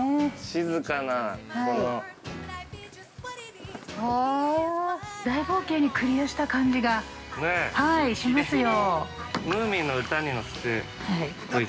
◆静かな、この◆大冒険に繰り出した感じがしますよ◆